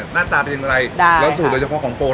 คนต้นใหม่เนี่ยหน้าตาเป็นยังไงได้แล้วสูตรโดยเฉพาะของโปร